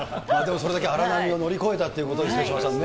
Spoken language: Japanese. それだけ荒波を乗り越えたということですよね、手嶋さんね。